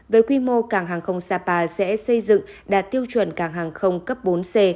với quy mô cảng hàng không sapa sẽ xây dựng đạt tiêu chuẩn cảng hàng không cấp bốn c